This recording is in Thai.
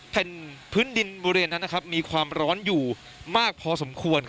แผ่นพื้นดินบริเวณนั้นมีความร้อนอยู่มากพอสมควร